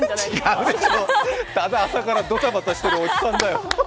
違うでしょ、ただ朝からドタバタしてるおじさんだよ。